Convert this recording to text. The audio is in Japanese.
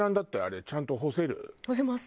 干せます。